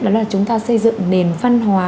đó là chúng ta xây dựng nền văn hóa